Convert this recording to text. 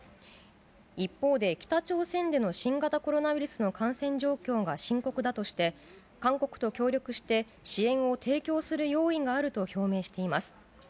一方で、北朝鮮での新型コロナウイルスの感染状況が深刻だとして、韓国と協力して、支援を提供する用意があると表明しています。